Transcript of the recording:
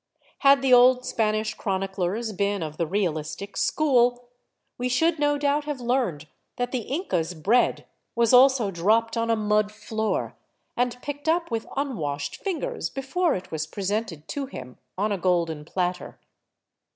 Had the old Spanish chroniclers been of the realistic school, we should no doubt have learned that the Inca's bread was also dropped on a mud floor, and picked up with unwashed fingers before it was pre sented to him on a golden platter.